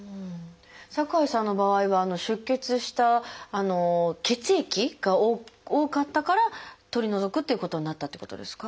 酒井さんの場合は出血した血液が多かったから取り除くっていうことになったっていうことですか？